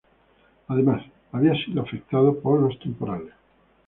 Además había sido afectado por los temporales.